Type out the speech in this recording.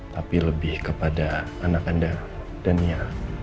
tapi lebih kepada anak anda dan nia